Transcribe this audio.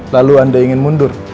lalu anda ingin mundur